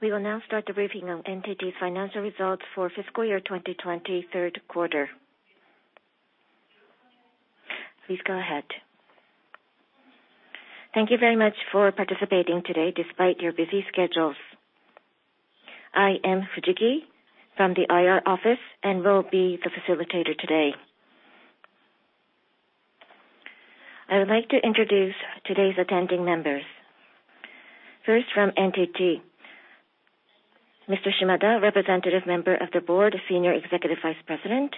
We will now start the briefing on NTT's financial results for fiscal year 2020, third quarter. Please go ahead. Thank you very much for participating today despite your busy schedules. I am Fujiki from the IR office and will be the facilitator today. I would like to introduce today's attending members. First, from NTT, Mr. Shimada, Representative Member of the Board, Senior Executive Vice President.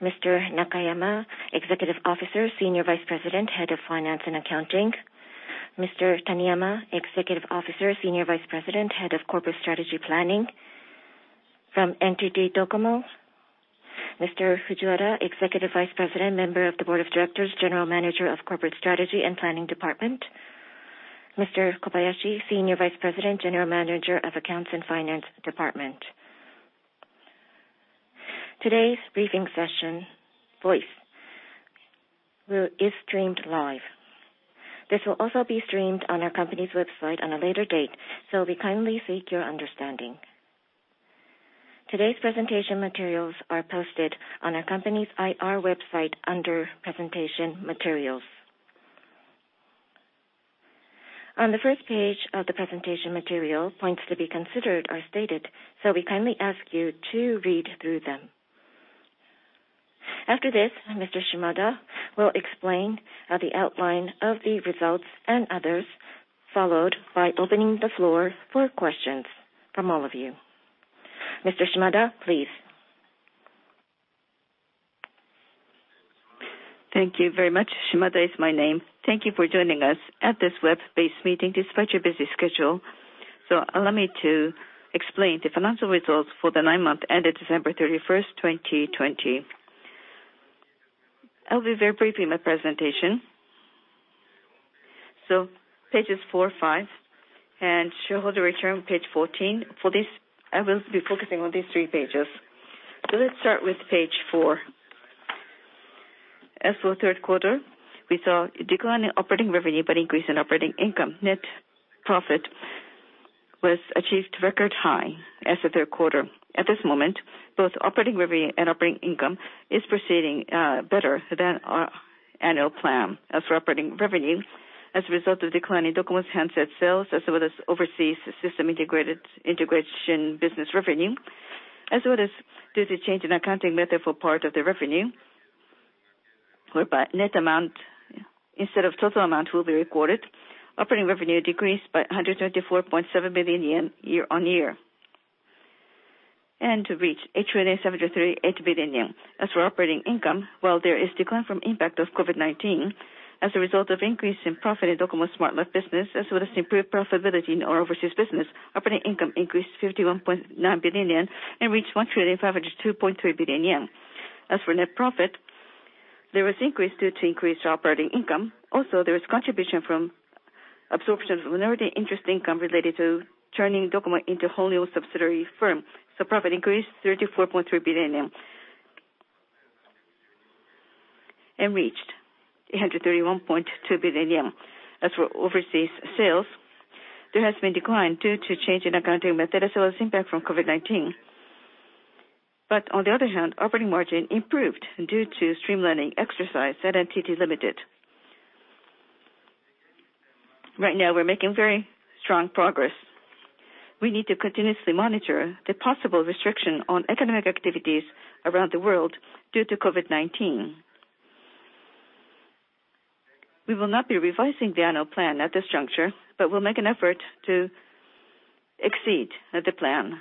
Mr. Nakayama, Executive Officer, Senior Vice President, Head of Finance and Accounting. Mr. Taniyama, Executive Officer, Senior Vice President, Head of Corporate Strategy Planning. From NTT DOCOMO, Mr. Fujiwara, Executive Vice President, Member of the Board of Directors, General Manager of Corporate Strategy and Planning Department. Mr. Kobayashi, Senior Vice President, General Manager of Accounts and Finance Department. Today's briefing session voice is streamed live. This will also be streamed on our company's website on a later date, so we kindly seek your understanding. Today's presentation materials are posted on our company's IR website under Presentation Materials. On the first page of the presentation material, points to be considered are stated, so we kindly ask you to read through them. After this, Mr. Shimada will explain the outline of the results and others, followed by opening the floor for questions from all of you. Mr. Shimada, please. Thank you very much. Shimada is my name. Thank you for joining us at this web-based meeting despite your busy schedule. Let me explain the financial results for the nine months ended December 31st, 2020. I will be very brief in my presentation. Pages four, five, and shareholder return page 14. For this, I will be focusing on these three pages. Let's start with page four. As for the third quarter, we saw a decline in operating revenue, but an increase in operating income. Net profit achieved a record high as of the third quarter. At this moment, both operating revenue and operating income is proceeding better than our annual plan. As for operating revenue, as a result of declining DOCOMO's handset sales, as well as overseas system integration business revenue, as well as due to change in accounting method for part of the revenue, whereby net amount instead of total amount will be recorded. Operating revenue decreased by 124.7 billion yen year on year, and reached 1,073.8 billion yen. As for operating income, while there is a decline from the impact of COVID-19, as a result of increase in profit in DOCOMO's Smart Life business, as well as improved profitability in our overseas business, operating income increased 51.9 billion yen and reached 1,502.3 billion yen. As for net profit, there was an increase due to increased operating income. There was contribution from absorption of minority interest income related to turning DOCOMO into a wholly owned subsidiary firm. Profit increased 34.3 billion yen and reached 831.2 billion yen. As for overseas sales, there has been a decline due to a change in accounting method as well as impact from COVID-19. On the other hand, operating margin improved due to streamlining exercise at NTT Limited. Right now, we're making very strong progress. We need to continuously monitor the possible restriction on economic activities around the world due to COVID-19. We will not be revising the annual plan at this juncture, but we'll make an effort to exceed the plan.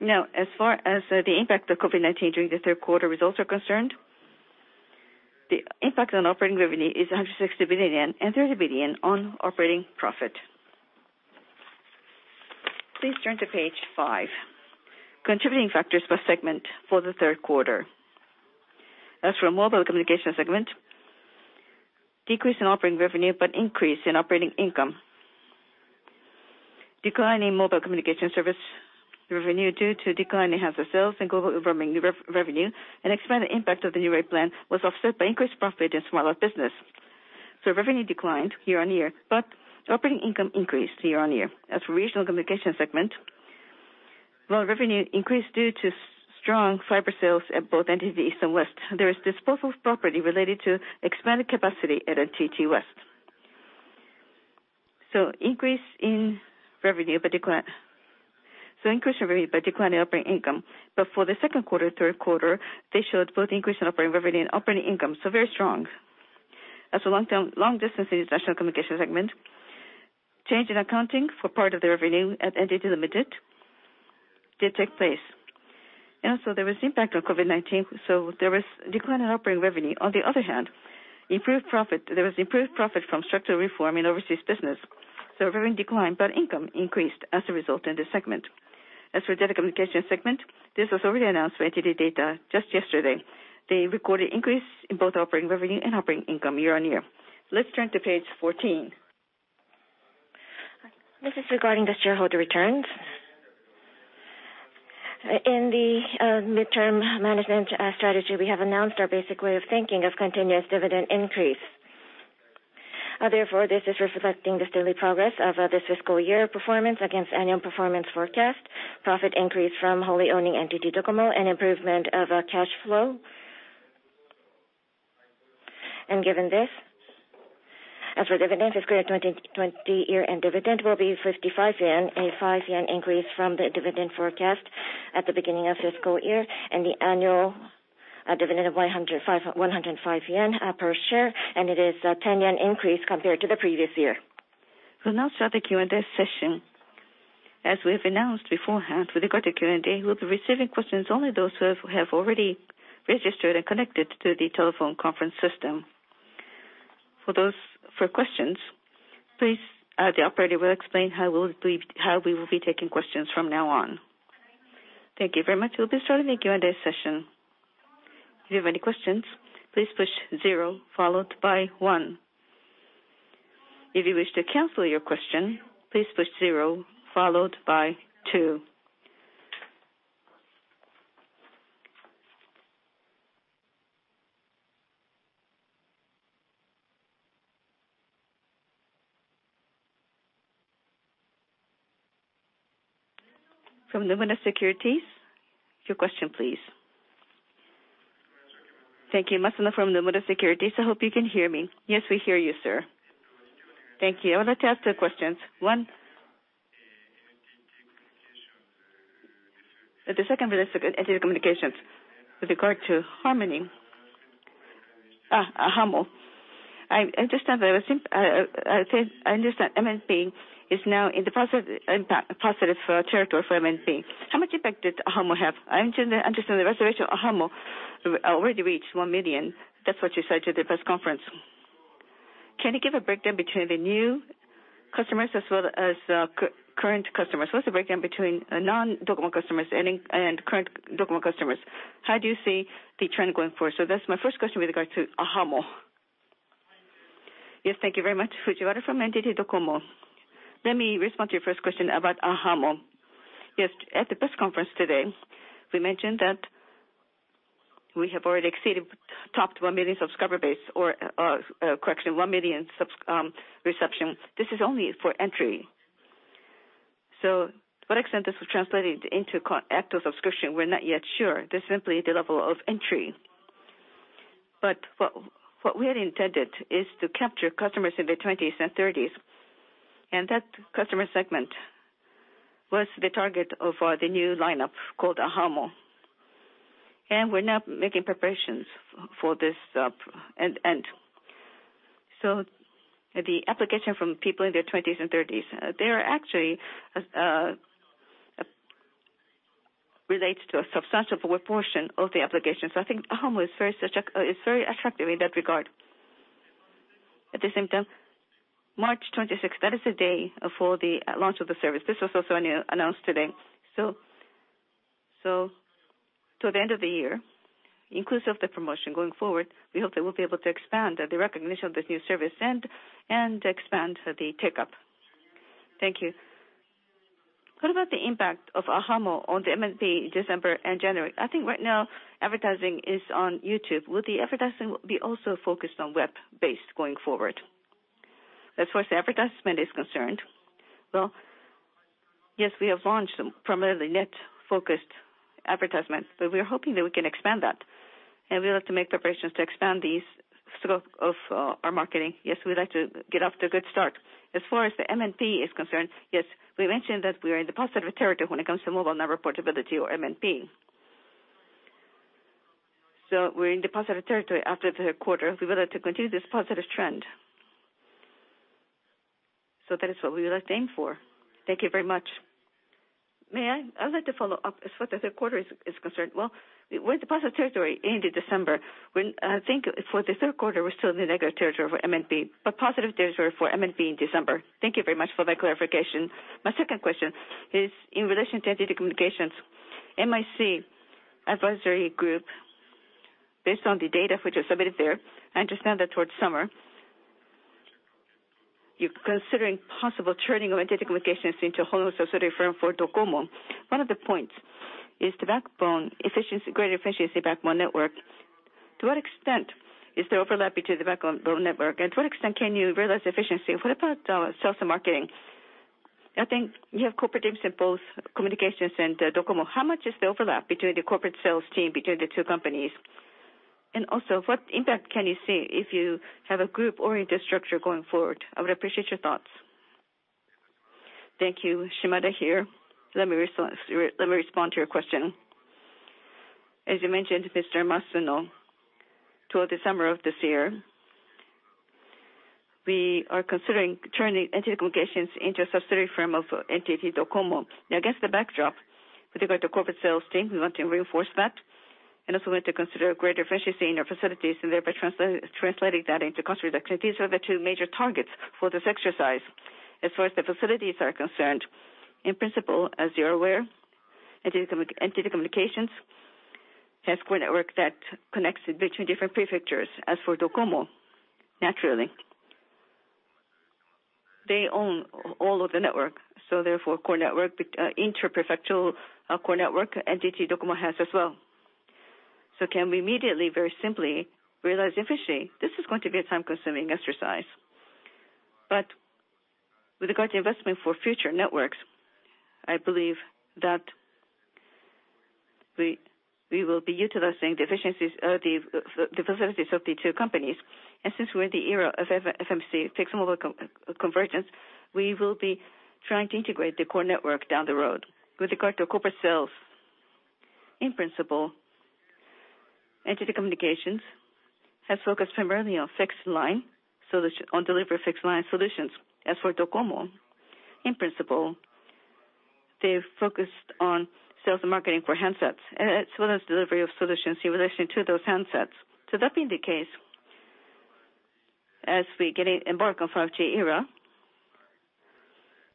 As far as the impact of COVID-19 during the third quarter results are concerned, the impact on operating revenue is 160 billion and 30 billion on operating profit. Please turn to page five. Contributing factors per segment for the third quarter. As for mobile communication segment, decrease in operating revenue, but increase in operating income. Decline in mobile communication service revenue due to decline in handset sales and global roaming revenue, an expanded impact of the new rate plan was offset by increased profit in Smart Life business. Revenue declined year-on-year, but operating income increased year-on-year. As for regional communication segment, while revenue increased due to strong fiber sales at both entities NTT East and NTT West, there is disposal of property related to expanded capacity at NTT West. Increase in revenue, but decline in operating income. For the second quarter, third quarter, they showed both increase in operating revenue and operating income, so very strong. As for long distance international communication segment, change in accounting for part of the revenue at NTT Limited did take place. There was impact of COVID-19, so there was a decline in operating revenue. On the other hand, there was improved profit from structural reform in overseas business. Revenue declined, but income increased as a result in this segment. As for data communication segment, this was already announced for NTT DATA just yesterday. They recorded increase in both operating revenue and operating income year-on-year. Let's turn to page 14. This is regarding the shareholder returns. In the midterm management strategy, we have announced our basic way of thinking of continuous dividend increase. Therefore, this is reflecting the steady progress of this fiscal year performance against annual performance forecast, profit increase from wholly owning entity DOCOMO, and improvement of cash flow. Given this, as for dividends, fiscal 2020 year-end dividend will be 55 yen, a 5 yen increase from the dividend forecast at the beginning of fiscal year, and the annual dividend of 105 yen per share, and it is 10 yen increase compared to the previous year. We'll now start the Q&A session. As we have announced beforehand, with regard to Q&A, we'll be receiving questions only those who have already registered and connected to the telephone conference system. For questions, please, the operator will explain how we will be taking questions from now on. Thank you very much. We'll be starting the Q&A session. If you have any questions, please push zero, followed by one. If you wish to cancel your question, please push zero, followed by two. From Nomura Securities, your question, please. Thank you. Masuno from Nomura Securities. I hope you can hear me. Yes, we hear you, sir. Thank you. I would like to ask two questions. With regard to ahamo. I understand MNP is now in the positive territory for MNP. How much impact did ahamo have? I understand the registration of ahamo already reached 1 million. That's what you said to the press conference. Can you give a breakdown between the new customers as well as current customers? What's the breakdown between non-DOCOMO customers and current DOCOMO customers? How do you see the trend going forward? That's my first question with regard to ahamo. Yes, thank you very much. Fujiwara from NTT DOCOMO. Let me respond to your first question about ahamo. At the press conference today, we mentioned that we have already exceeded topped 1 million subscriber base, or, correction, 1 million reception. This is only for entry. What extent this will translate into active subscription, we're not yet sure. This is simply the level of entry. What we had intended is to capture customers in their 20s and 30s, and that customer segment was the target of the new lineup called ahamo. We're now making preparations for this end. The application from people in their 20s and 30s, they are actually related to a substantial portion of the applications. I think ahamo is very attractive in that regard. At the same time, March 26th, that is the day for the launch of the service. This was also announced today. The end of the year, inclusive of the promotion going forward, we hope that we'll be able to expand the recognition of this new service and expand the take-up. Thank you. What about the impact of ahamo on the MNP December and January? I think right now advertising is on YouTube. Will the advertising be also focused on web-based going forward? As far as the advertisement is concerned, well, yes, we have launched primarily net-focused advertisement. We are hoping that we can expand that, and we'll have to make preparations to expand these scope of our marketing. Yes, we'd like to get off to a good start. As far as the MNP is concerned, yes, we mentioned that we are in the positive territory when it comes to mobile number portability or MNP. We're in the positive territory after the third quarter. We would like to continue this positive trend. That is what we would like to aim for. Thank you very much. May I? I'd like to follow up. As far as the third quarter is concerned, well, with the positive territory end of December, I think for the third quarter, we're still in the negative territory for MNP, but positive territory for MNP in December. Thank you very much for that clarification. My second question is in relation to NTT Communications. MIC advisory group, based on the data which was submitted there, I understand that towards summer, you're considering possible turning of NTT Communications into a wholly subsidiary firm for DOCOMO. One of the points is the backbone efficiency, greater efficiency backbone network. To what extent is there overlap between the backbone network, and to what extent can you realize efficiency? What about sales and marketing?I think you have corporate teams in both Communications and DOCOMO. How much is the overlap between the corporate sales team between the two companies? Also, what impact can you see if you have a group-oriented structure going forward? I would appreciate your thoughts. Thank you. Shimada here. Let me respond to your question. As you mentioned, Mr. Masuno, toward the summer of this year, we are considering turning NTT Communications into a subsidiary firm of NTT DOCOMO. Now, against the backdrop, with regard to corporate sales team, we want to reinforce that, and also we want to consider greater efficiency in our facilities and thereby translating that into cost reduction. These are the two major targets for this exercise. As far as the facilities are concerned, in principle, as you're aware, NTT Communications has core network that connects between different prefectures. As for DOCOMO, naturally, they own all of the network. Therefore, core network, inter-prefectural core network, NTT DOCOMO has as well. Can we immediately, very simply realize efficiency? This is going to be a time-consuming exercise. With regard to investment for future networks, I believe that we will be utilizing the facilities of the two companies. Since we're in the era of FMC, fixed mobile convergence, we will be trying to integrate the core network down the road. With regard to corporate sales, in principle, NTT Communications has focused primarily on delivery of fixed line solutions. As for DOCOMO, in principle, they've focused on sales and marketing for handsets, as well as delivery of solutions in relation to those handsets. That being the case, as we embark on 5G era,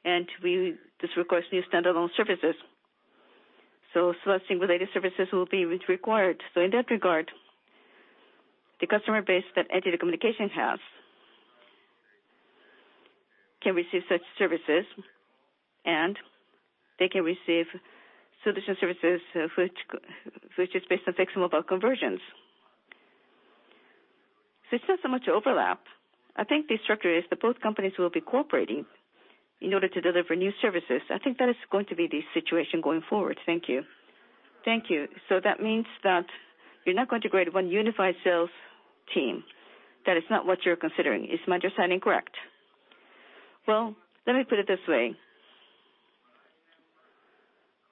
and this requires new standalone services. Selecting the latest services will be required. In that regard, the customer base that NTT Communications has can receive such services, and they can receive solution services which is based on fixed mobile convergence. It's not so much overlap. I think the structure is that both companies will be cooperating in order to deliver new services. I think that is going to be the situation going forward. Thank you. Thank you. That means that you're not going to create one unified sales team. That is not what you're considering. Is my understanding correct? Well, let me put it this way.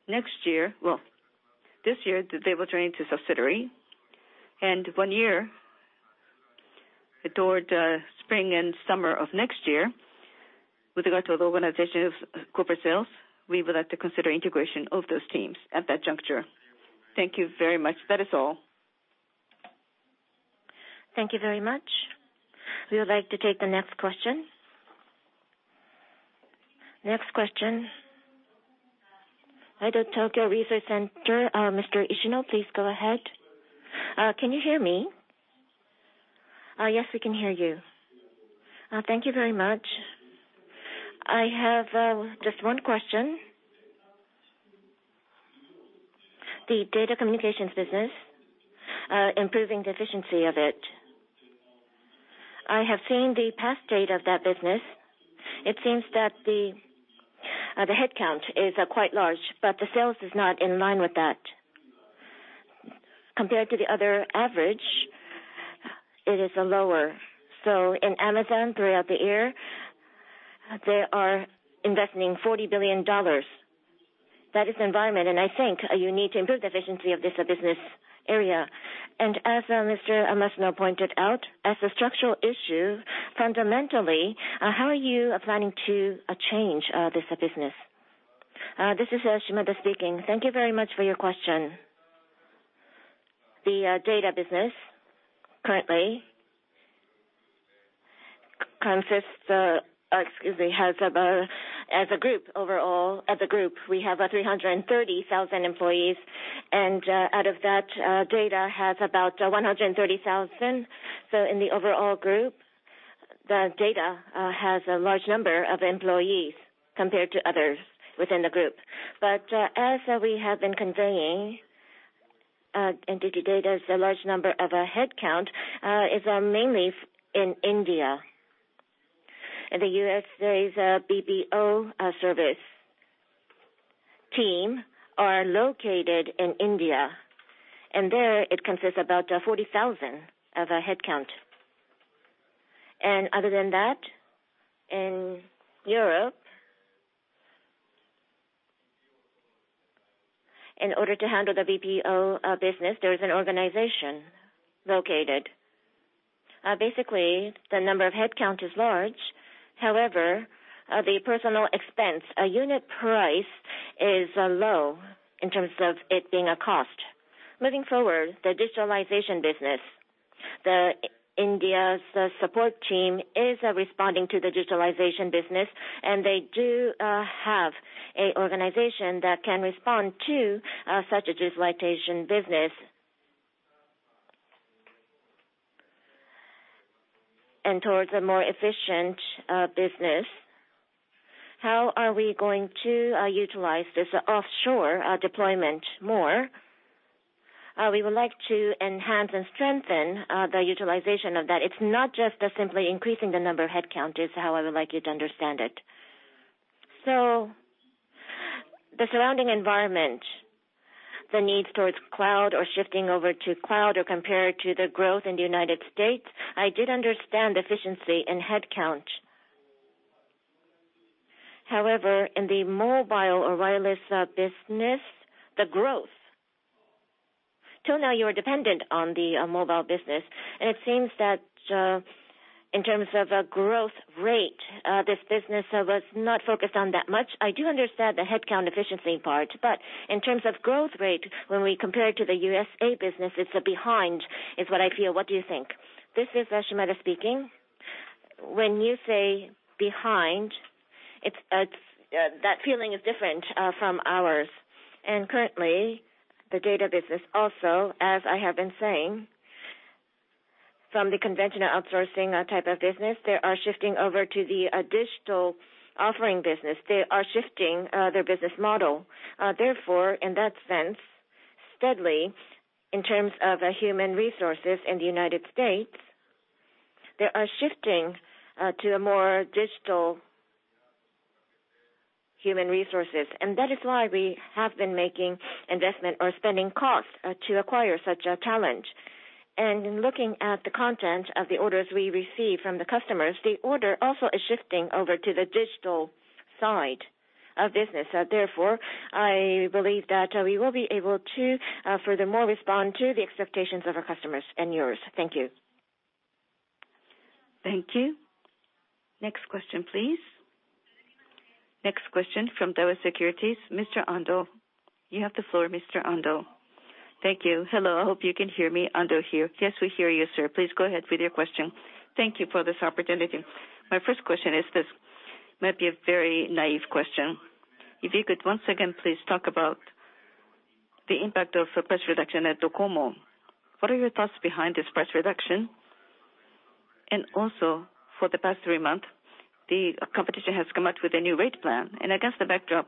This year, they will turn into a subsidiary, and one year toward spring and summer of next year, with regard to the organization of corporate sales, we would like to consider integration of those teams at that juncture. Thank you very much. That is all. Thank you very much. We would like to take the next question. Next question. Hi, the Tokai Tokyo Research Center. Mr. Ishino, please go ahead. Can you hear me? Yes, we can hear you. Thank you very much. I have just one question. The data communications business, improving the efficiency of it. I have seen the past data of that business. It seems that the headcount is quite large, but the sales is not in line with that. Compared to the other average, it is lower. In Amazon, throughout the year, they are investing JPY 40 billion. That is the environment, and I think you need to improve the efficiency of this business area. As Mr. Masuno pointed out, as a structural issue, fundamentally, how are you planning to change this business? This is Shimada speaking. Thank you very much for your question. The data business currently has, as a group, we have 330,000 employees, and out of that, NTT DATA has about 130,000. In the overall group, NTT DATA has a large number of employees compared to others within the group. As we have been conveying, NTT DATA has a large number of headcount, is mainly in India. In the U.S.'s BPO service team are located in India, and there, it consists about 40,000 of headcount. Other than that, in Europe, in order to handle the BPO business, there is an organization located. Basically, the number of headcount is large. However, the personal expense, unit price is low in terms of it being a cost. Moving forward, the digitalization business, India's support team is responding to the digitalization business, and they do have an organization that can respond to such a digitalization business. Towards a more efficient business, how are we going to utilize this offshore deployment more? We would like to enhance and strengthen the utilization of that. It's not just simply increasing the number of headcounts, is how I would like you to understand it. The surrounding environment, the needs towards cloud or shifting over to cloud, or compared to the growth in the United States, I did understand efficiency in headcount. However, in the mobile or wireless business, the growth, till now, you are dependent on the mobile business, and it seems that in terms of growth rate, this business was not focused on that much. I do understand the headcount efficiency part, but in terms of growth rate, when we compare to the USA business, it's behind, is what I feel. What do you think? This is Shimada speaking. When you say behind, that feeling is different from ours. Currently, the data business also, as I have been saying, from the conventional outsourcing type of business, they are shifting over to the digital offering business. They are shifting their business model. Therefore, in that sense, steadily, in terms of human resources in the United States, they are shifting to a more digital human resources. That is why we have been making investment or spending costs to acquire such a talent. In looking at the content of the orders we receive from the customers, the order also is shifting over to the digital side of business. Therefore, I believe that we will be able to furthermore respond to the expectations of our customers and yours. Thank you. Thank you. Next question, please. Next question from Daiwa Securities, Mr. Ando. You have the floor, Mr. Ando. Thank you. Hello, I hope you can hear me, Ando here. Yes, we hear you, sir. Please go ahead with your question. Thank you for this opportunity. My first question is this, might be a very naive question. If you could once again, please talk about the impact of price reduction at DOCOMO. What are your thoughts behind this price reduction? Also, for the past three months, the competition has come out with a new rate plan. Against the backdrop,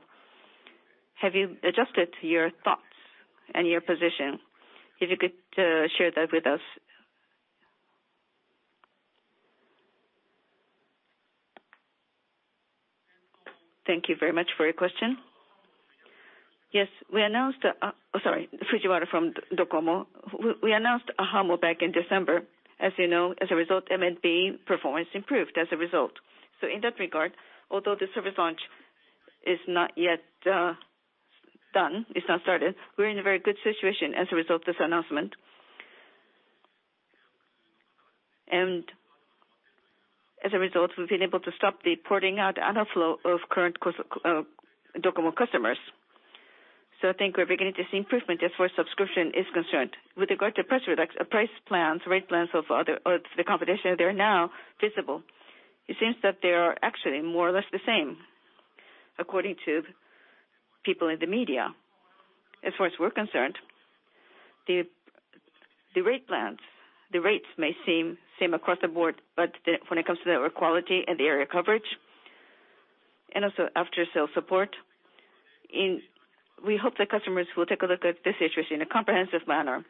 have you adjusted your thoughts and your position? If you could share that with us. Thank you very much for your question. Yes, Fujiwara from DOCOMO. We announced ahamo back in December. As you know, as a result, MNP performance improved as a result. In that regard, although the service launch is not yet done, it's not started, we're in a very good situation as a result of this announcement. As a result, we've been able to stop the porting out, the outflow of current DOCOMO customers. I think we're beginning to see improvement as far as subscription is concerned. With regard to price plans, rate plans of the competition, they are now visible. It seems that they are actually more or less the same, according to people in the media. As far as we're concerned, the rates may seem same across the board, but when it comes to network quality and the area coverage, and also after-sale support, we hope the customers will take a look at this issue in a comprehensive manner.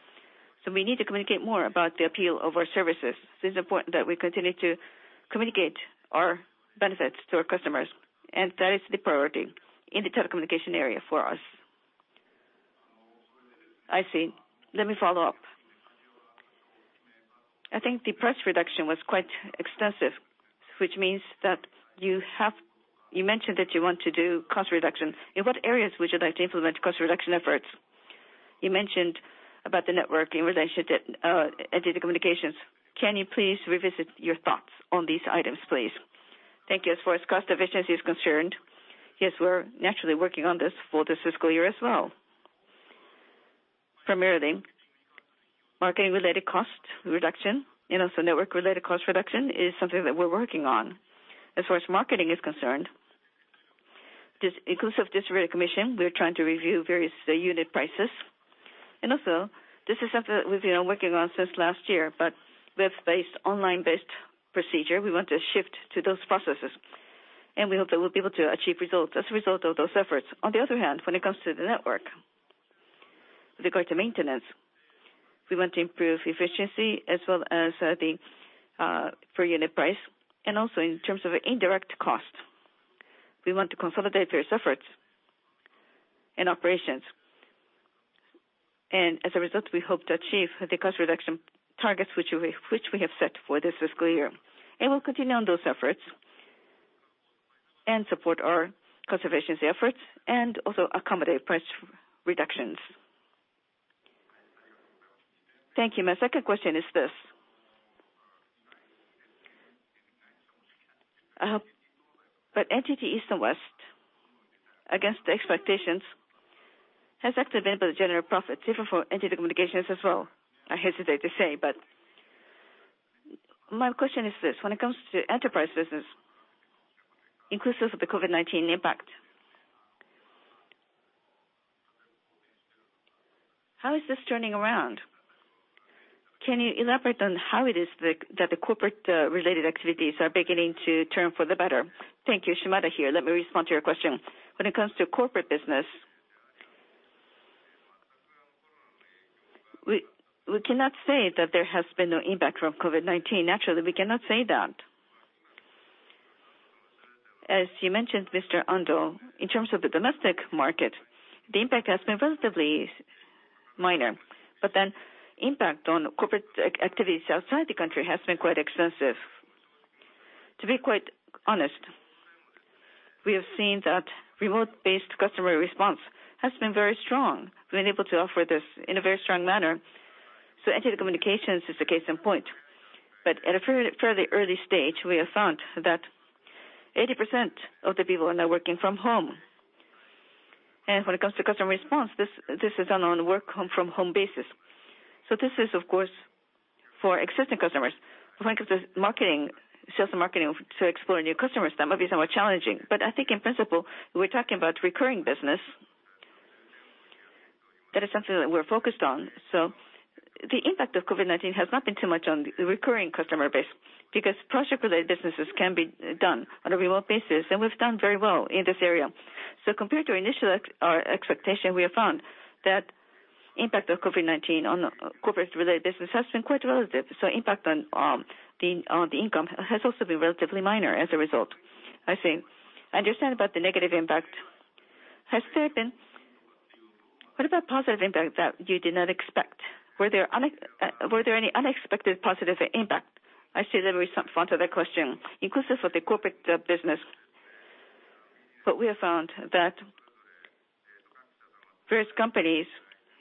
We need to communicate more about the appeal of our services. This is important that we continue to communicate our benefits to our customers, and that is the priority in the telecommunication area for us. I see. Let me follow up. I think the price reduction was quite extensive, which means that you mentioned that you want to do cost reduction. In what areas would you like to implement cost reduction efforts? You mentioned about the network in relation to NTT Communications. Can you please revisit your thoughts on these items, please? Thank you. As far as cost efficiency is concerned, yes, we're naturally working on this for this fiscal year as well. Primarily, marketing-related cost reduction and also network-related cost reduction is something that we're working on. As far as marketing is concerned, inclusive of this rate commission, we're trying to review various unit prices. Also, this is something that we've been working on since last year, but web-based, online-based procedure, we want to shift to those processes. We hope that we'll be able to achieve results as a result of those efforts. On the other hand, when it comes to the network, with regard to maintenance, we want to improve efficiency as well as the per unit price, and also in terms of indirect cost. We want to consolidate various efforts in operations. As a result, we hope to achieve the cost reduction targets which we have set for this fiscal year. We'll continue on those efforts and support our cost efficiency efforts and also accommodate price reductions. Thank you. My second question is this. I hope that NTT East and West, against the expectations, has actually been able to generate a profit, different from NTT Communications as well. My question is this. When it comes to enterprise business, inclusive of the COVID-19 impact, how is this turning around? Can you elaborate on how it is that the corporate-related activities are beginning to turn for the better? Thank you. Shimada here. Let me respond to your question. When it comes to corporate business, we cannot say that there has been no impact from COVID-19. Naturally, we cannot say that. As you mentioned, Mr. Ando, in terms of the domestic market, the impact has been relatively minor. Impact on corporate activities outside the country has been quite extensive. To be quite honest, we have seen that remote-based customer response has been very strong. We've been able to offer this in a very strong manner. NTT Communications is a case in point. At a fairly early stage, we have found that 80% of the people are now working from home. When it comes to customer response, this is done on a work-from-home basis. This is, of course, for existing customers. When it comes to sales and marketing to explore new customers, that might be somewhat challenging. I think in principle, we're talking about recurring business. That is something that we're focused on. The impact of COVID-19 has not been too much on the recurring customer base, because project-related businesses can be done on a remote basis, and we've done very well in this area. Compared to initial expectation, we have found that impact of COVID-19 on the corporate-related business has been quite relative. Impact on the income has also been relatively minor as a result, I think. I understand about the negative impact. What about positive impact that you did not expect? Were there any unexpected positive impact? I see there were some front of that question, inclusive of the corporate business. We have found that various companies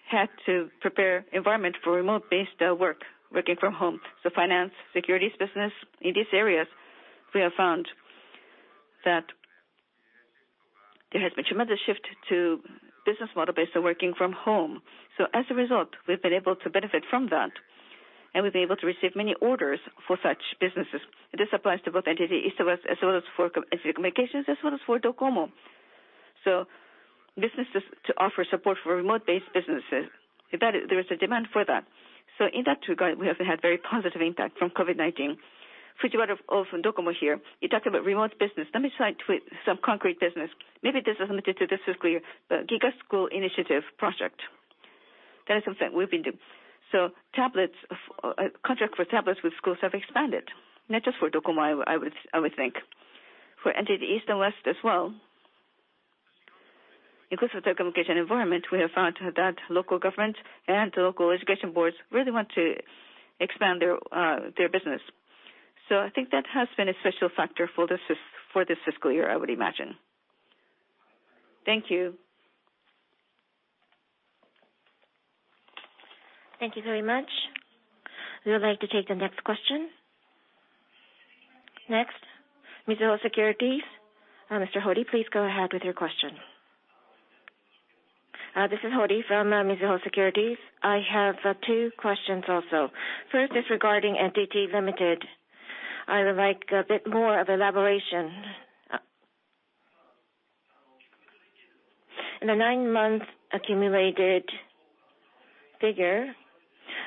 had to prepare environment for remote-based work, working from home. Finance, securities business, in these areas, we have found that there has been tremendous shift to business model based on working from home. As a result, we've been able to benefit from that, and we've been able to receive many orders for such businesses. This applies to both NTT East as well as for NTT Communications, as well as for DOCOMO. Businesses to offer support for remote-based businesses, there is a demand for that. In that regard, we have had very positive impact from COVID-19. Fujiwara from DOCOMO here. You talked about remote business. Let me try to give some concrete business. Maybe this is limited to this fiscal year. GIGA School initiative project. That is something we've been doing. Contract for tablets with schools have expanded, not just for DOCOMO, I would think. For NTT East and West as well. Inclusive of the communication environment, we have found that local government and local education boards really want to expand their business. I think that has been a special factor for this fiscal year, I would imagine. Thank you. Thank you very much. We would like to take the next question. Mizuho Securities. Mr. Hori, please go ahead with your question. This is Hori from Mizuho Securities. I have two questions also. First is regarding NTT Limited. I would like a bit more of elaboration. In the nine months accumulated figure,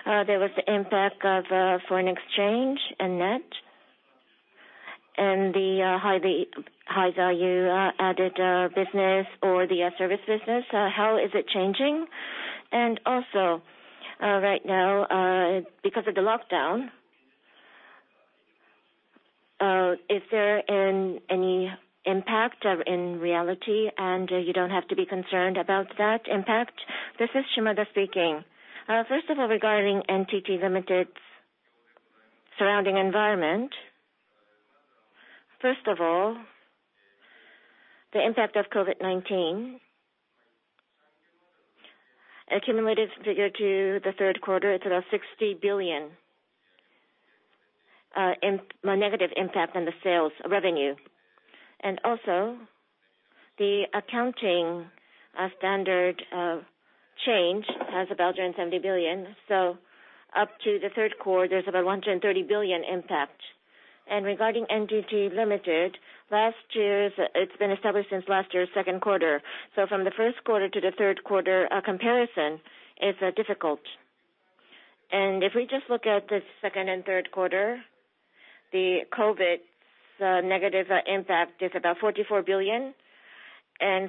there was the impact of foreign exchange and net, and the high-value added business or the service business. How is it changing? Right now, because of the lockdown, is there any impact in reality, and you don't have to be concerned about that impact? This is Shimada speaking. Regarding NTT Limited's surrounding environment. The impact of COVID-19, accumulated figure to the third quarter, it's about 60 billion in negative impact on the sales revenue. The accounting standard change has about 70 billion. Up to the third quarter, there's about 130 billion impact. Regarding NTT Limited, it's been established since last year, second quarter. From the first quarter to the third quarter, a comparison is difficult. If we just look at the second and third quarter, the COVID negative impact is about 44 billion.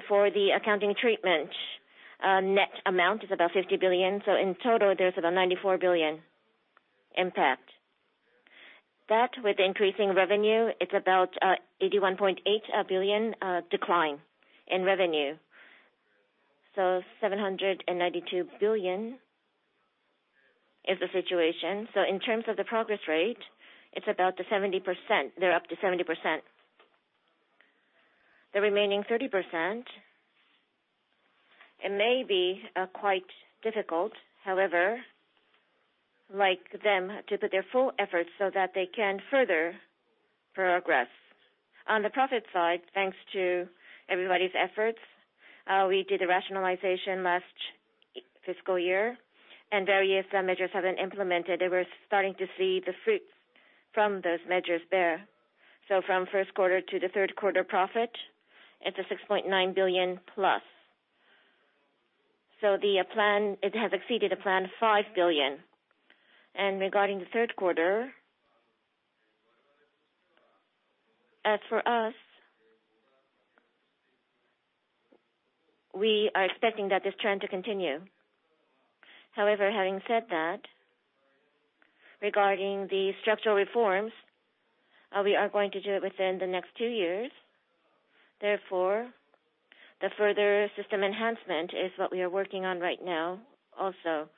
For the accounting treatment, net amount is about 50 billion. In total, there's about 94 billion impact. That with increasing revenue, it's about 81.8 billion decline in revenue. 792 billion is the situation. In terms of the progress rate, it's about the 70%. They're up to 70%. The remaining 30%, it may be quite difficult, however, like them to put their full efforts so that they can further progress. On the profit side, thanks to everybody's efforts, we did a rationalization last fiscal year, and various measures have been implemented. We're starting to see the fruits from those measures there. From first quarter to the third quarter profit, it's a 6.9 billion plus. It has exceeded a planned 5 billion. Regarding the third quarter, as for us, we are expecting that this trend to continue. However, having said that, regarding the structural reforms, we are going to do it within the next two years. The further system enhancement is what we are working on right now also.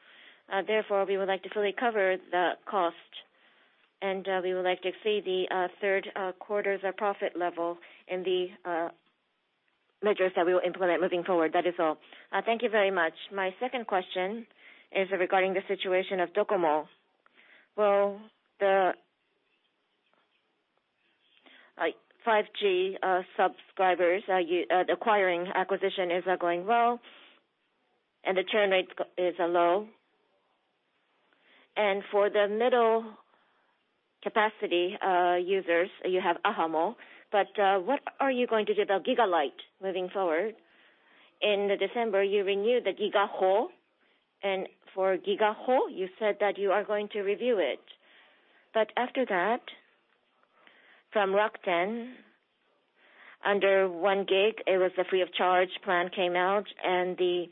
We would like to fully cover the cost, and we would like to see the third quarter's profit level in the measures that we will implement moving forward. That is all. Thank you very much. My second question is regarding the situation of DOCOMO. The 5G subscribers acquiring acquisition is going well, and the churn rate is low. For the middle capacity users, you have ahamo. What are you going to do about Gigalight moving forward? In December, you renewed the Gigaho, and for Gigaho, you said that you are going to review it. After that, from Rakuten, under 1 gig, it was a free of charge plan came out, and the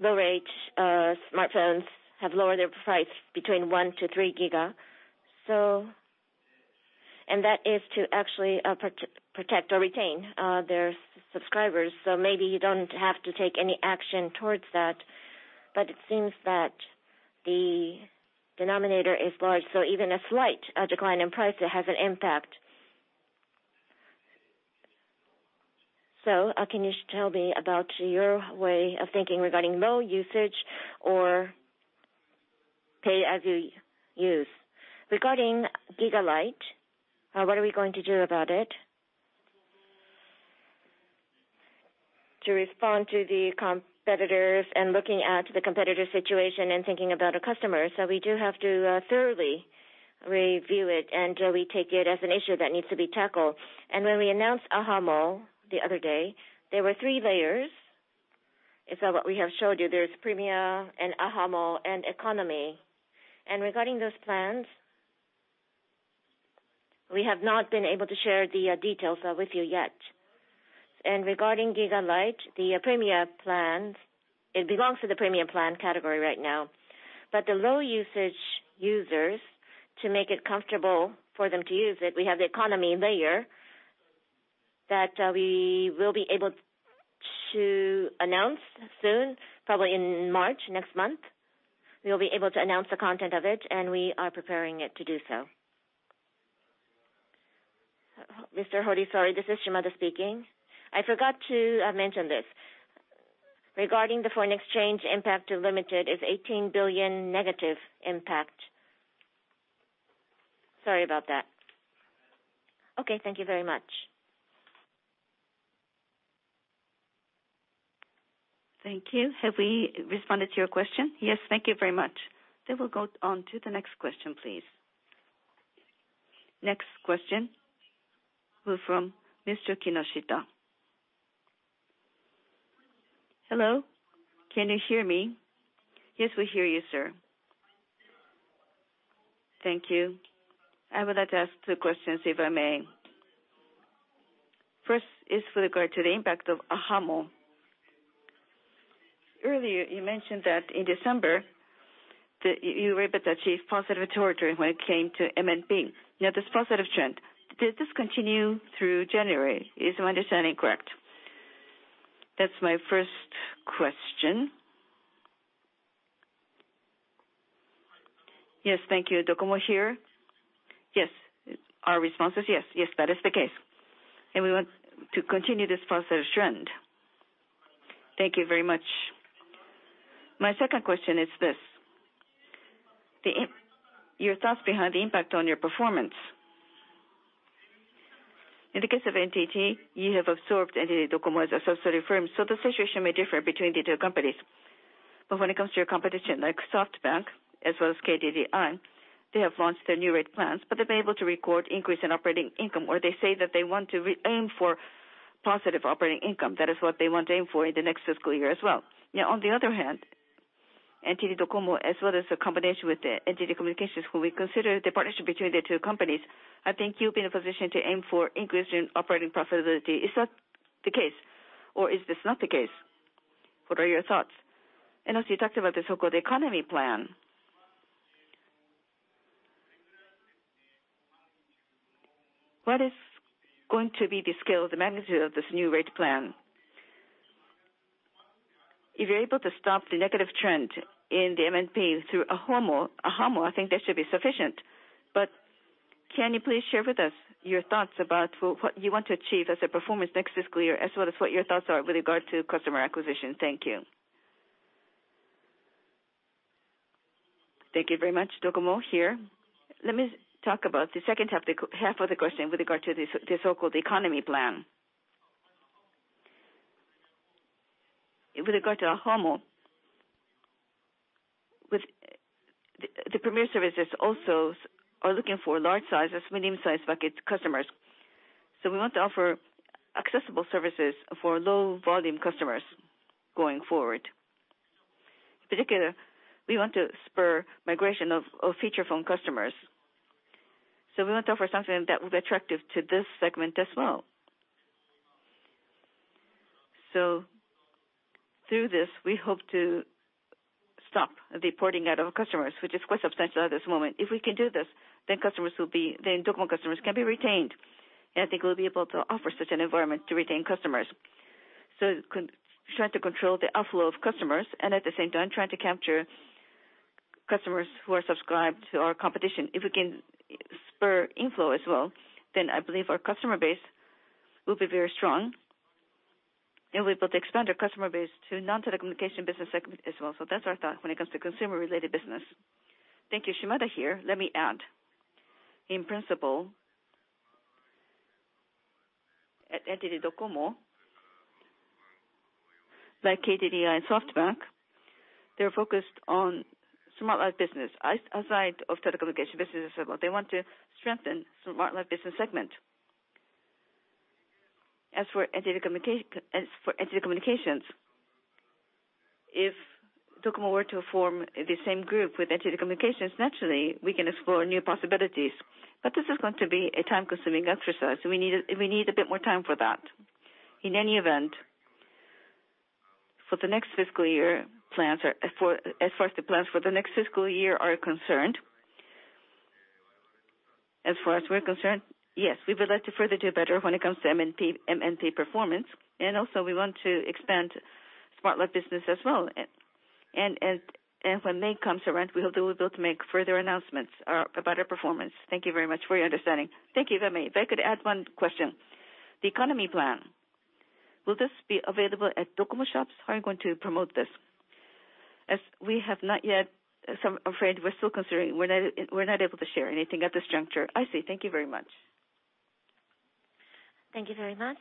low-rate smartphones have lowered their price between 1 to 3 giga. That is to actually protect or retain their subscribers. Maybe you don't have to take any action towards that. It seems that the denominator is large, so even a slight decline in price has an impact. Can you tell me about your way of thinking regarding low usage or pay as you use? Regarding Gigalight, what are we going to do about it? To respond to the competitors and looking at the competitive situation and thinking about our customers. We do have to thoroughly review it, and we take it as an issue that needs to be tackled. When we announced ahamo the other day, there were three layers. Is that what we have showed you? There's premium and ahamo and economy. Regarding those plans, we have not been able to share the details with you yet. Regarding Gigalight, the premier plan, it belongs to the premium plan category right now. The low usage users, to make it comfortable for them to use it, we have the economy layer that we will be able to announce soon, probably in March next month. We'll be able to announce the content of it, and we are preparing it to do so. Mr. Hori, sorry, this is Shimada speaking. I forgot to mention this. Regarding the foreign exchange impact to Limited is 18 billion negative impact. Sorry about that. Okay, thank you very much. Thank you. Have we responded to your question? Yes, thank you very much. We'll go on to the next question, please. Next question will be from Mr. Kinoshita. Hello, can you hear me? Yes, we hear you, sir. Thank you. I would like to ask two questions, if I may. First is with regard to the impact of ahamo. Earlier, you mentioned that in December, you were able to achieve positive territory when it came to MNP. This positive trend, did this continue through January? Is my understanding correct? That's my first question. Yes. Thank you. DOCOMO here. Yes. Our response is yes. Yes, that is the case. We want to continue this positive trend. Thank you very much. My second question is this. Your thoughts behind the impact on your performance. In the case of NTT, you have absorbed NTT DOCOMO as associated firms, so the situation may differ between the two companies. When it comes to your competition, like SoftBank as well as KDDI, they have launched their new rate plans, but they've been able to record increase in operating income, or they say that they want to aim for positive operating income. That is what they want to aim for in the next fiscal year as well. On the other hand, NTT DOCOMO, as well as the combination with the NTT Communications, who we consider the partnership between the two companies, I think you'll be in a position to aim for increase in operating profitability. Is that the case or is this not the case? What are your thoughts? Also, you talked about the so-called economy plan. What is going to be the scale, the magnitude of this new rate plan? If you're able to stop the negative trend in the MNP through ahamo, I think that should be sufficient. Can you please share with us your thoughts about what you want to achieve as a performance next fiscal year, as well as what your thoughts are with regard to customer acquisition? Thank you. Thank you very much. DOCOMO here. Let me talk about the second half of the question with regard to the so-called economy plan. With regard to ahamo, the premier services also are looking for large sizes, medium-sized bucket customers. We want to offer accessible services for low-volume customers going forward. In particular, we want to spur migration of feature phone customers. We want to offer something that will be attractive to this segment as well. Through this, we hope to stop the porting out of customers, which is quite substantial at this moment. If we can do this, DOCOMO customers can be retained, and I think we'll be able to offer such an environment to retain customers. Trying to control the outflow of customers and at the same time trying to capture customers who are subscribed to our competition. If we can spur inflow as well, I believe our customer base will be very strong, and we'll be able to expand our customer base to non-telecommunication business segment as well. That's our thought when it comes to consumer-related business. Thank you. Shimada here. Let me add. In principle, at NTT DOCOMO, like KDDI and SoftBank, they're focused on Smart Life business. Aside from telecommunication business, they want to strengthen Smart Life business segment. As for NTT Communications, if DOCOMO were to form the same group with NTT Communications, naturally, we can explore new possibilities. This is going to be a time-consuming exercise, so we need a bit more time for that. In any event, as far as the plans for the next fiscal year are concerned, as far as we're concerned, yes, we would like to further do better when it comes to MNP performance, and also we want to expand Smart Life business as well. When May comes around, we hope to be able to make further announcements about our performance. Thank you very much for your understanding. Thank you very much. If I could add one question. The economy plan, will this be available at DOCOMO shops? How are you going to promote this? As we have not yet, I'm afraid we're still considering. We're not able to share anything at this juncture. I see. Thank you very much. Thank you very much.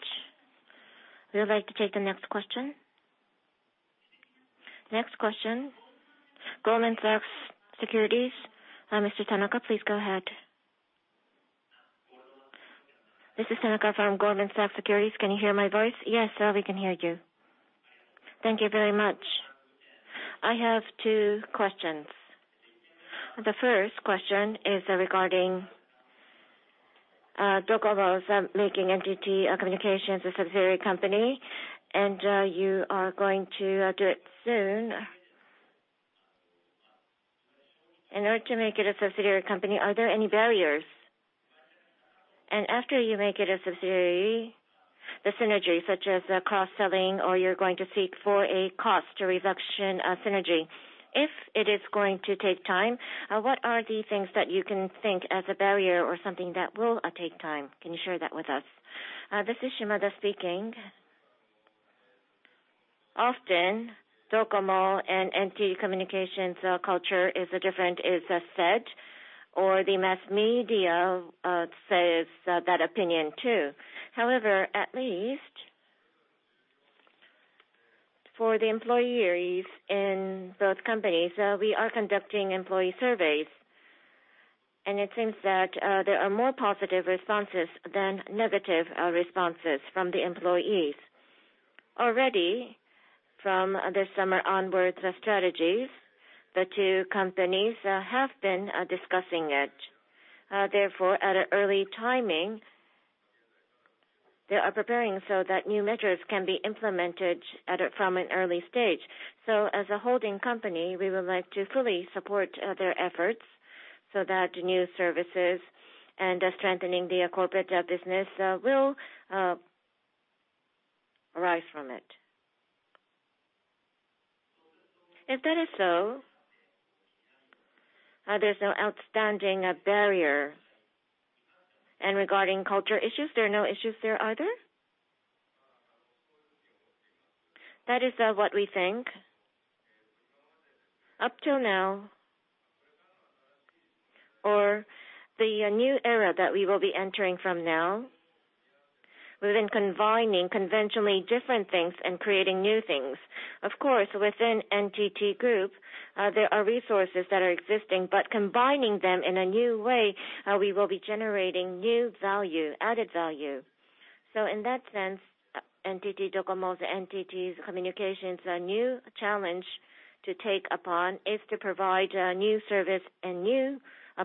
We would like to take the next question. Next question, Goldman Sachs Securities, Mr. Tanaka, please go ahead. This is Tanaka from Goldman Sachs Securities. Can you hear my voice? Yes, sir, we can hear you. Thank you very much. I have two questions. The first question is regarding DOCOMO's making NTT Communications a subsidiary company. You are going to do it soon. In order to make it a subsidiary company, are there any barriers? After you make it a subsidiary, the synergy such as cross-selling, or you're going to seek for a cost reduction synergy. If it is going to take time, what are the things that you can think as a barrier or something that will take time? Can you share that with us? This is Shimada speaking. Often, DOCOMO and NTT Communications culture is different, it is said, or the mass media says that opinion, too. However, at least for the employees in both companies, we are conducting employee surveys, and it seems that there are more positive responses than negative responses from the employees. Already, from this summer onwards, the strategies, the two companies have been discussing it. Therefore, at an early timing, they are preparing so that new measures can be implemented from an early stage. As a holding company, we would like to fully support their efforts so that new services and strengthening their corporate business will arise from it. If that is so, there's no outstanding barrier. Regarding culture issues, there are no issues there, are there? That is what we think. Up till now, or the new era that we will be entering from now, we've been combining conventionally different things and creating new things. Of course, within NTT Group, there are resources that are existing, but combining them in a new way, we will be generating new value, added value. In that sense, NTT DOCOMO's, NTT Communications' new challenge to take upon is to provide a new service and new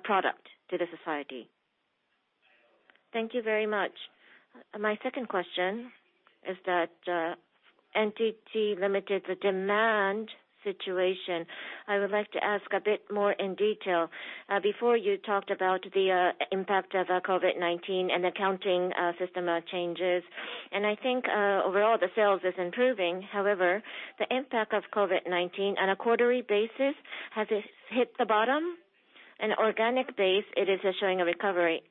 product to the society. Thank you very much. My second question is that NTT Limited, the demand situation, I would like to ask a bit more in detail. Before, you talked about the impact of COVID-19 and accounting system changes. I think overall, the sales is improving. The impact of COVID-19 on a quarterly basis, has it hit the bottom? In organic base, it is showing a recovery.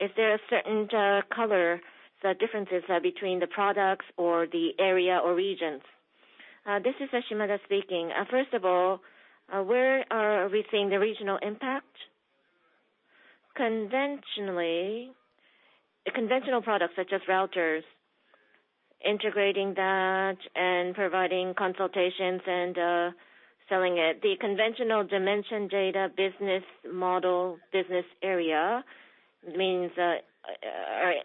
Is there a certain color, the differences between the products or the area or regions? This is Shimada speaking. First of all, where are we seeing the regional impact? Conventional products such as routers, integrating that and providing consultations and selling it. The conventional Dimension Data business model, business area, means are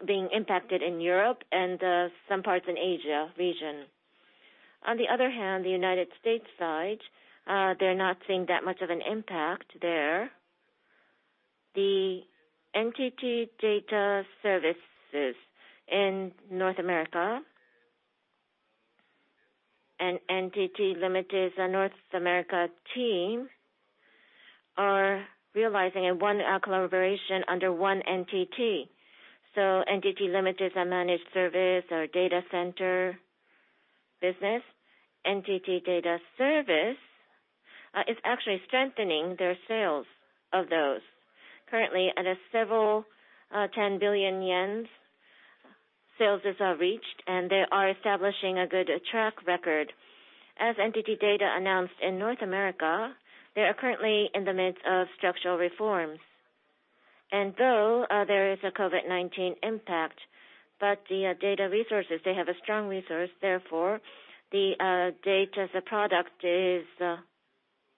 being impacted in Europe and some parts in Asia region. On the other hand, the United States side, they're not seeing that much of an impact there. The NTT DATA Services in North America and NTT Limited's North America team are realizing one collaboration under one NTT. NTT Limited's managed service, our data center business, NTT DATA Services, is actually strengthening their sales of those. Currently, at a several 10 billion yen, sales is reached, and they are establishing a good track record. As NTT DATA announced in North America, they are currently in the midst of structural reforms. Though there is a COVID-19 impact, the data resources, they have a strong resource, therefore, the data, the product is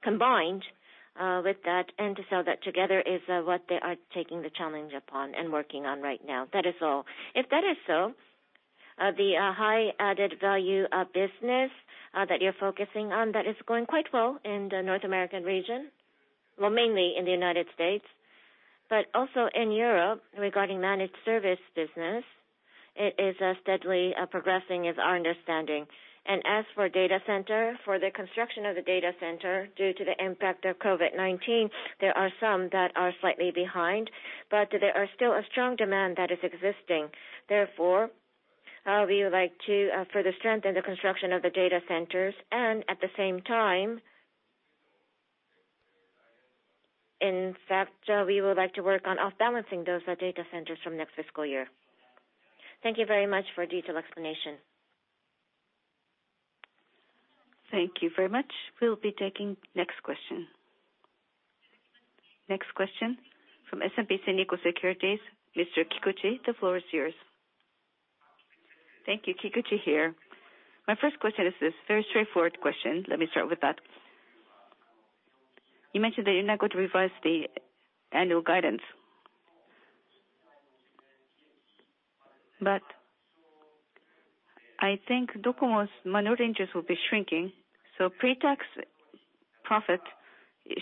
combined with that. That together is what they are taking the challenge upon and working on right now. That is all. If that is so, the high added value of business that you're focusing on, that is going quite well in the North American region. Well, mainly in the United States, but also in Europe, regarding managed service business, it is steadily progressing is our understanding. As for data center, for the construction of the data center, due to the impact of COVID-19, there are some that are slightly behind, but there is still a strong demand that is existing. Therefore, we would like to further strengthen the construction of the data centers and at the same time, in fact, we would like to work on off balancing those data centers from next fiscal year. Thank you very much for a detailed explanation. Thank you very much. We will be taking next question. Next question from SMBC Nikko Securities, Mr. Kikuchi, the floor is yours. Thank you. Kikuchi here. My first question is this very straightforward question. Let me start with that. You mentioned that you're not going to revise the annual guidance. I think DOCOMO's minority interest will be shrinking, so pre-tax profit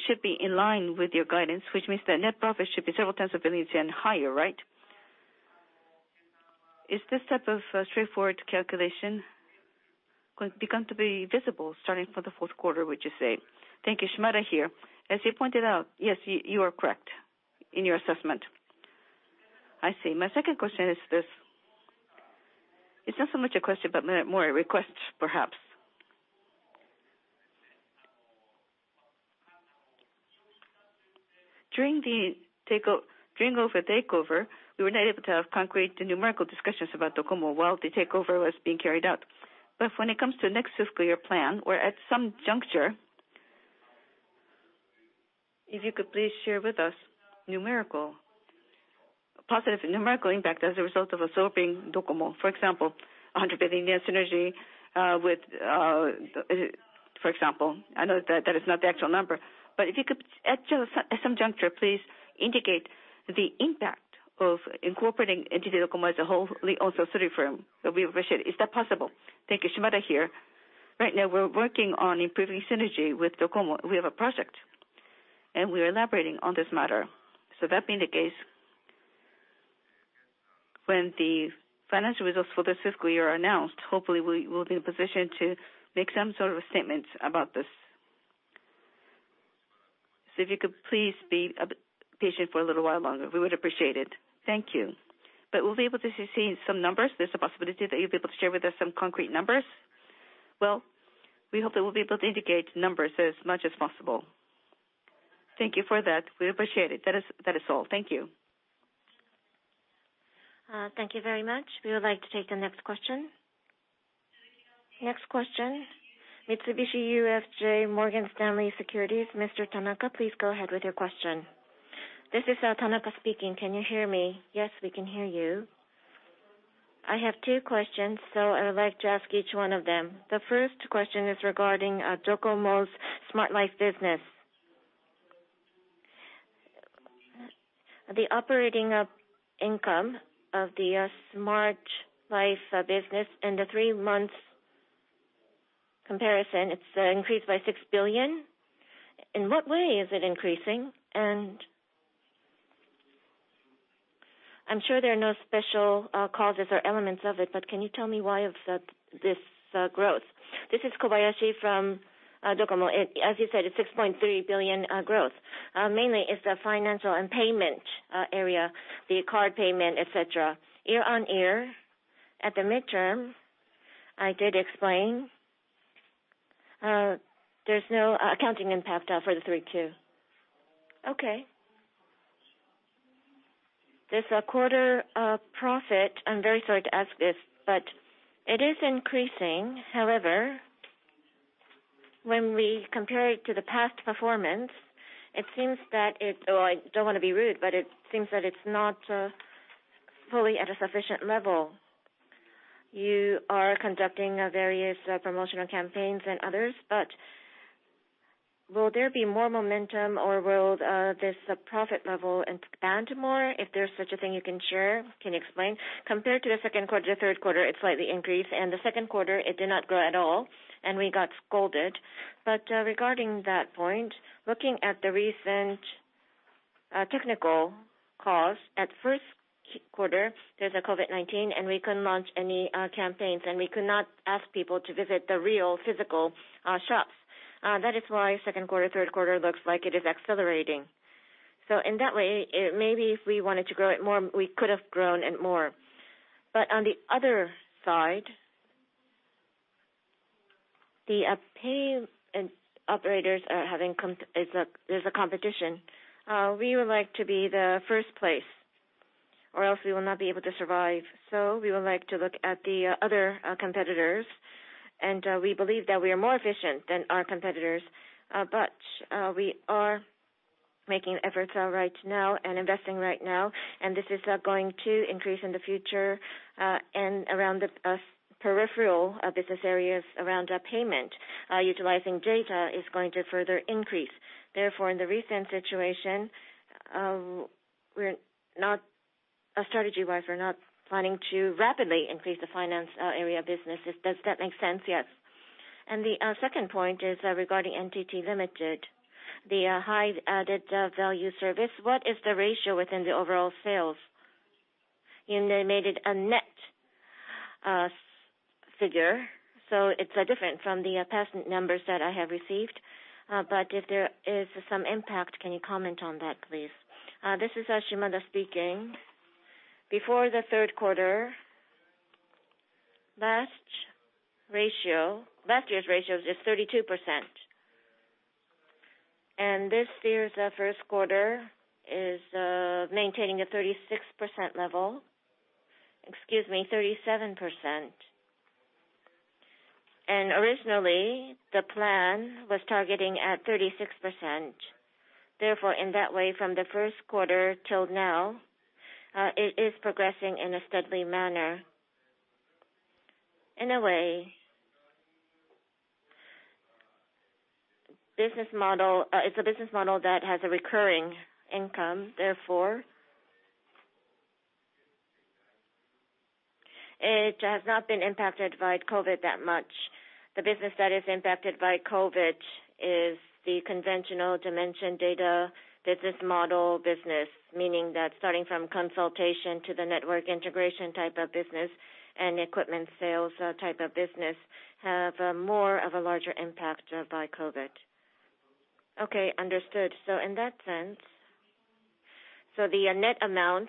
should be in line with your guidance, which means that net profit should be several tens of billions Yen higher, right? Is this type of straightforward calculation going to be visible starting from the fourth quarter, would you say? Thank you. Shimada here. As you pointed out, yes, you are correct in your assessment. I see. My second question is this. It's not so much a question, but more a request, perhaps. During the takeover, we were not able to have concrete numerical discussions about DOCOMO while the takeover was being carried out. When it comes to next fiscal year plan or at some juncture, if you could please share with us numerical, positive numerical impact as a result of absorbing DOCOMO, for example, 100 billion synergy, for example. I know that is not the actual number, but if you could at some juncture, please indicate the impact of incorporating NTT DOCOMO as a whole. We appreciate. Is that possible? Thank you. Shimada here. Right now, we're working on improving synergy with DOCOMO. We have a project, and we are elaborating on this matter. That being the case, when the financial results for this fiscal year are announced, hopefully, we will be in a position to make some sort of a statement about this. If you could please be patient for a little while longer, we would appreciate it. Thank you. We'll be able to see some numbers? There's a possibility that you'll be able to share with us some concrete numbers? Well, we hope that we'll be able to indicate numbers as much as possible. Thank you for that. We appreciate it. That is all. Thank you. Thank you very much. We would like to take the next question. Next question, Mitsubishi UFJ Morgan Stanley Securities, Mr. Tanaka, please go ahead with your question. This is Tanaka speaking. Can you hear me? Yes, we can hear you. I have two questions. I would like to ask each one of them. The first question is regarding DOCOMO's Smart Life business. The operating income of the Smart Life business in the three months comparison, it's increased by 6 billion. In what way is it increasing? I'm sure there are no special causes or elements of it, but can you tell me why this growth? This is Kobayashi from DOCOMO. As you said, it's 6.3 billion growth. Mainly, it's the financial and payment area, the card payment, et cetera. Year-over-year, at the midterm, I did explain. There's no accounting impact for the Q3. Okay. This quarter profit, I'm very sorry to ask this, but it is increasing. However, when we compare it to the past performance, it seems that it, I don't want to be rude, but it seems that it's not fully at a sufficient level. You are conducting various promotional campaigns and others, but will there be more momentum or will this profit level expand more? If there's such a thing you can share, can you explain? Compared to the second quarter, third quarter, it slightly increased, and the second quarter, it did not grow at all and we got scolded. Regarding that point, looking at the recent technical cause, at first quarter, there's COVID-19, and we couldn't launch any campaigns, and we could not ask people to visit the real physical shops. That is why second quarter, third quarter looks like it is accelerating. In that way, maybe if we wanted to grow it more, we could have grown it more. On the other side, the pay operators, there's a competition. We would like to be the first place. Or else we will not be able to survive. We would like to look at the other competitors, and we believe that we are more efficient than our competitors. We are making efforts right now and investing right now, and this is going to increase in the future, and around the peripheral business areas around payment, utilizing data is going to further increase. Therefore, in the recent situation, strategy-wise, we're not planning to rapidly increase the finance area business. Does that make sense? Yes. The second point is regarding NTT Limited, the high added value service. What is the ratio within the overall sales? You made it a net figure, so it's different from the past numbers that I have received. If there is some impact, can you comment on that, please? This is Shimada speaking. Before the third quarter, last year's ratio is 32%. This year's first quarter is maintaining a 36% level. Excuse me, 37%. Originally, the plan was targeting at 36%. Therefore, in that way, from the first quarter till now, it is progressing in a steady manner. In a way, it's a business model that has a recurring income, therefore, it has not been impacted by COVID that much. The business that is impacted by COVID is the conventional Dimension Data business model business, meaning that starting from consultation to the network integration type of business and equipment sales type of business have more of a larger impact by COVID. Okay, understood. In that sense, so the net amount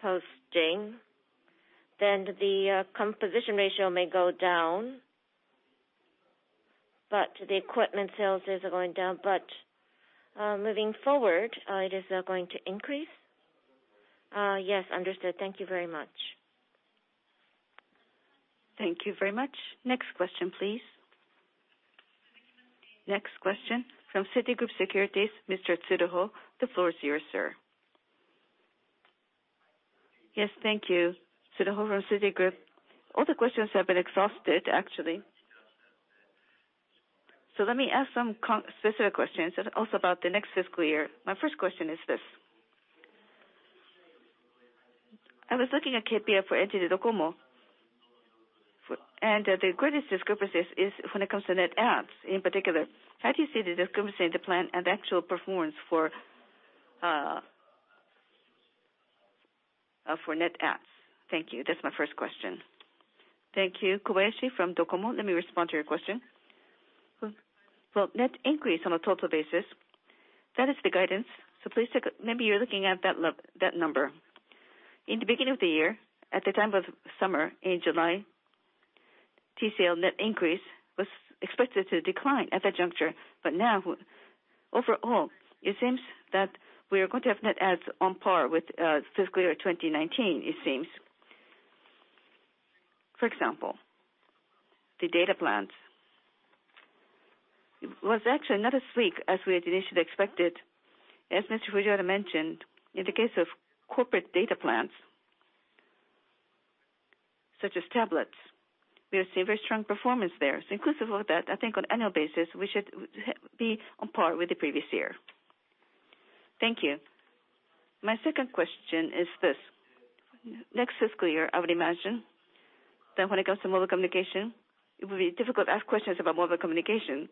posting, the composition ratio may go down, the equipment sales is going down. Moving forward, it is going to increase? Yes. Understood. Thank you very much. Thank you very much. Next question, please. Next question from Citigroup Securities, Mr. Tsuruo. The floor is yours, sir. Yes. Thank you. Tsuruo from Citigroup. All the questions have been exhausted, actually. Let me ask some specific questions, and also about the next fiscal year. My first question is this. I was looking at KPI for NTT DOCOMO, and the greatest discrepancy is when it comes to net adds in particular. How do you see the discrepancy in the plan and actual performance for net adds? Thank you. That's my first question. Thank you. Kobayashi from DOCOMO. Let me respond to your question. Net increase on a total basis, that is the guidance. Please, maybe you're looking at that number. In the beginning of the year, at the time of summer in July, total net increase was expected to decline at that juncture. Now, overall, it seems that we are going to have net adds on par with fiscal year 2019, it seems. For example, the data plans. It was actually not as weak as we had initially expected. As Mr. Fujiwara mentioned, in the case of corporate data plans, such as tablets, we have seen very strong performance there. Inclusive of that, I think on annual basis, we should be on par with the previous year. Thank you. My second question is this. Next fiscal year, I would imagine that when it comes to mobile communication, it will be difficult to ask questions about mobile communication.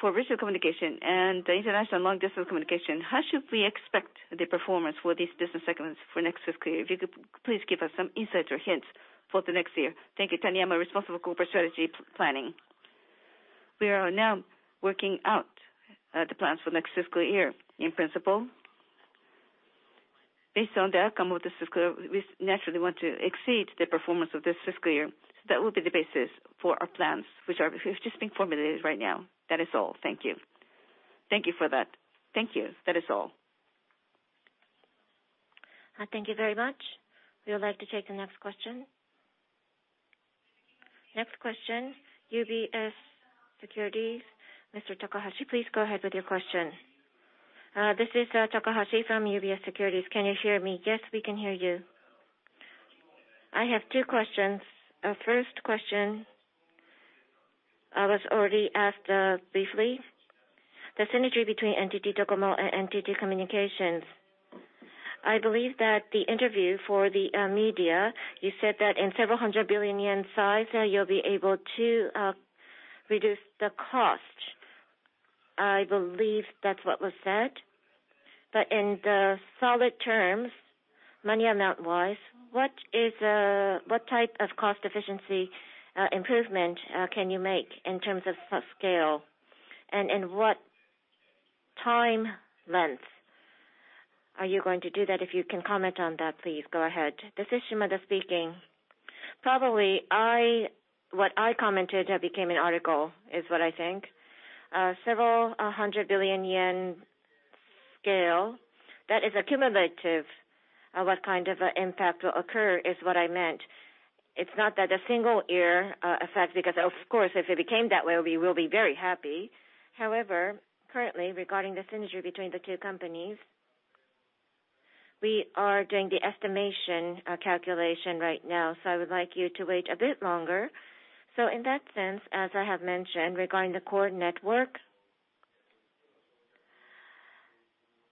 For visual communication and international long-distance communication, how should we expect the performance for these business segments for next fiscal year? If you could please give us some insights or hints for the next year. Thank you. Taniyama, responsible for Corporate Strategy Planning. We are now working out the plans for next fiscal year. In principle, based on the outcome of this fiscal, we naturally want to exceed the performance of this fiscal year. That will be the basis for our plans, which are just being formulated right now. That is all. Thank you. Thank you for that. Thank you. That is all. Thank you very much. We would like to take the next question. Next question, UBS Securities, Mr. Takahashi, please go ahead with your question. This is Takahashi from UBS Securities. Can you hear me? Yes, we can hear you. I have two questions. First question was already asked briefly. The synergy between NTT DOCOMO and NTT Communications. I believe that the interview for the media, you said that in several hundred billion Yen size, you'll be able to reduce the cost. I believe that's what was said. In the solid terms, money amount-wise, what type of cost efficiency improvement can you make in terms of scale, in what time length? Are you going to do that? If you can comment on that, please go ahead. This is Shimada speaking. Probably, what I commented became an article, is what I think. Several hundred billion Yen scale, that is cumulative, what kind of impact will occur is what I meant. It's not that a single year effect, because of course, if it became that way, we will be very happy. However, currently, regarding the synergy between the two companies, we are doing the estimation calculation right now, so I would like you to wait a bit longer. In that sense, as I have mentioned, regarding the core network,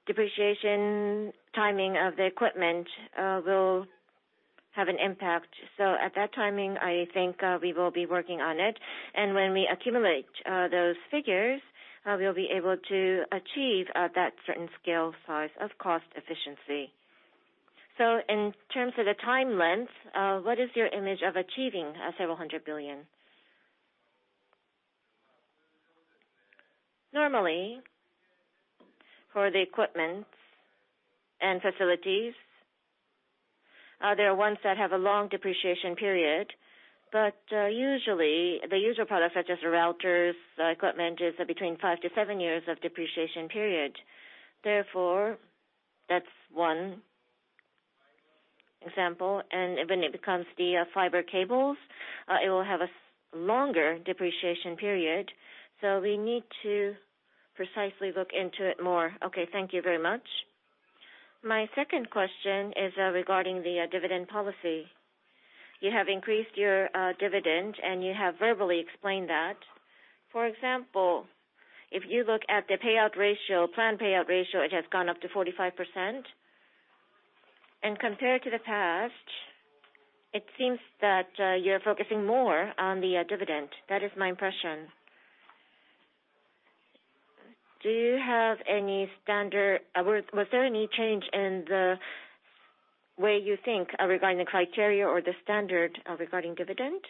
depreciation timing of the equipment will have an impact. At that timing, I think we will be working on it. When we accumulate those figures, we'll be able to achieve that certain scale size of cost efficiency. In terms of the time length, what is your image of achieving several hundred billion Yen? Normally, for the equipment and facilities, there are ones that have a long depreciation period, but usually, the usual product, such as routers, equipment, is between five to seven years of depreciation period. That's one example, and when it becomes the fiber cables, it will have a longer depreciation period. We need to precisely look into it more. Okay, thank you very much. My second question is regarding the dividend policy. You have increased your dividend, and you have verbally explained that. For example, if you look at the planned payout ratio, it has gone up to 45%. Compared to the past, it seems that you're focusing more on the dividend. That is my impression. Was there any change in the way you think regarding the criteria or the standard regarding dividend?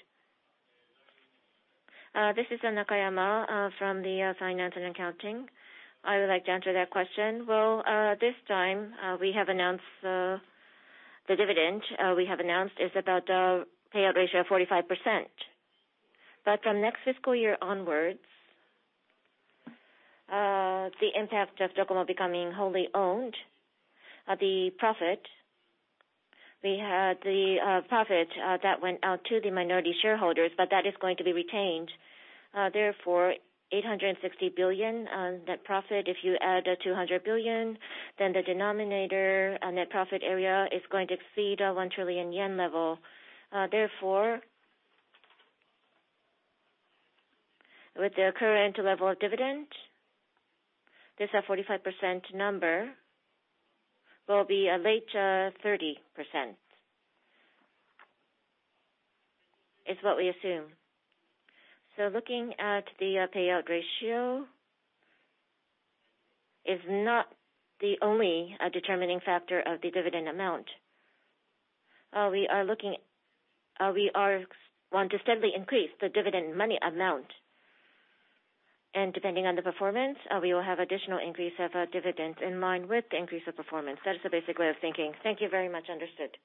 This is Nakayama from the Finance and Accounting. I would like to answer that question. This time, we have announced the dividend. We have announced it's about a payout ratio of 45%. From next fiscal year onwards, the impact of DOCOMO becoming wholly owned, the profit that went out to the minority shareholders, but that is going to be retained. 860 billion net profit. If you add 200 billion, then the denominator net profit area is going to exceed 1 trillion yen level. With the current level of dividend, this 45% number will be later 30%, is what we assume. Looking at the payout ratio is not the only determining factor of the dividend amount. We want to steadily increase the dividend money amount. Depending on the performance, we will have additional increase of our dividends in line with the increase of performance. That is the basic way of thinking. Thank you very much. Understood.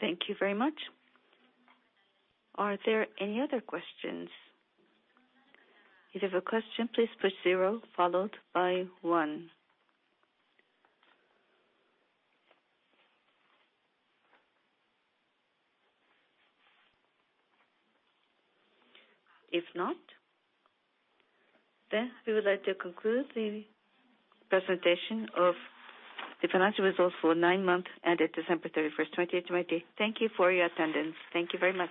Thank you very much. Are there any other questions? If you have a question, please push zero followed by one. If not, then we would like to conclude the presentation of the financial results for nine months ended December 31st, 2020. Thank you for your attendance. Thank you very much.